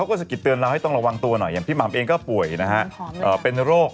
ก็คือรถอีแตก